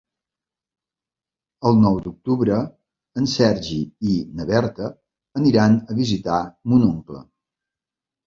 El nou d'octubre en Sergi i na Berta aniran a visitar mon oncle.